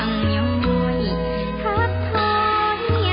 ทรงเป็นน้ำของเรา